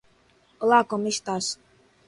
Olá como estás?